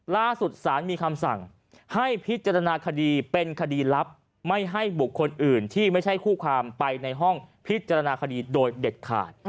ล่าสุดสารมีคำสั่งให้พิจารณาคดีเป็นคดีลับไม่ให้บุคคลอื่นที่ไม่ใช่คู่ความไปในห้องพิจารณาคดีโดยเด็ดขาด